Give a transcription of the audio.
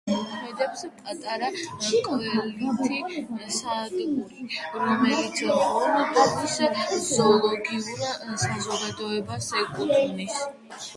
პარკში მოქმედებს პატარა კვლევითი სადგური, რომელიც ლონდონის ზოოლოგიურ საზოგადოებას ეკუთვნის.